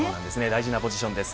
大事なポジションです。